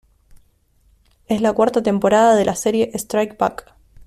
Es la cuarta temporada de la serie "Strike Back".